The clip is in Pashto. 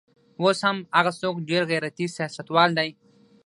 اوس هم هغه څوک ډېر غیرتي سیاستوال دی.